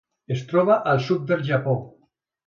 Es troba al sud del Japó.